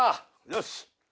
よし。